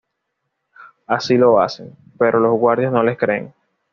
Así lo hacen, pero los guardias no les creen.